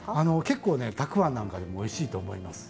結構ねたくあんなんかでもおいしいと思います。